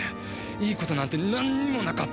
いい事なんて何にもなかった。